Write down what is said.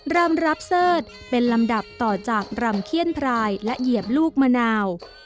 รำรับเสิร์ธเป็นลำดับต่อจากรำเขี้ยนพรายและเหยียบลูกมะนาว